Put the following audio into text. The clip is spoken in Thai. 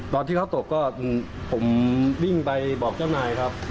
ตอนที่เขาตกก็ผมวิ่งไปบอกเจ้านายครับ